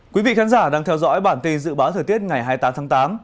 quý vị khán giả đang theo dõi bản tin dự báo thời tiết ngày hai mươi tám tháng tám